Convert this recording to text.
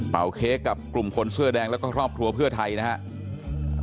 เค้กกับกลุ่มคนเสื้อแดงแล้วก็ครอบครัวเพื่อไทยนะครับ